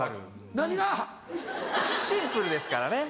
何が⁉シンプルですからね。